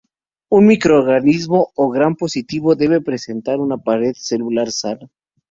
Un microorganismo gram positivo debe presentar una pared celular sana.